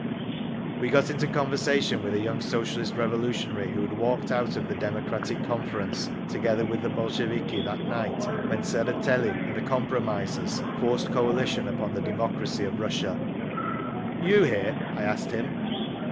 We got into conversation with a young Socialist Revolutionary, who had walked out of the Democratic Conference together with the Bolsheviki, that night when Tseretelli and the "compromisers" forced Coalition upon the democracy of Russia. "You here?" I asked him.